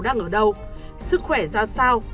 đang ở đâu sức khỏe ra sao